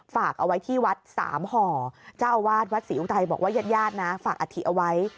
ฝากเอาไว้ที่วัดสามห่อเจ้าอาวาสวัดศรีอุทัยบอกว่าญาติญาตินะฝากอธิเอาไว้